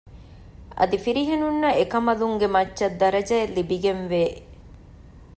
އަދި ފިރިހެނުންނަށް އެކަންބަލުންގެ މައްޗަށް ދަރަޖައެއް ލިބިގެންވެ